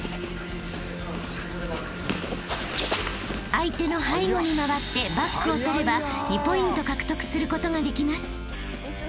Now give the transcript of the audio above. ［相手の背後に回ってバックをとれば２ポイント獲得することができます］